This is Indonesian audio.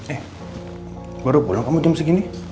eh baru pulang kamu jam segini